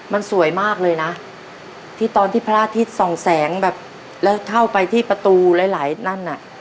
มันสวยมากเลยนะที่ตอนที่พระอาทิตย์ส่องแสงแบบแล้วเข้าไปที่ประตูหลายหลายนั่นน่ะ